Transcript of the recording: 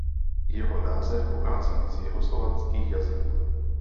Jeho název pochází z jihoslovanských jazyků.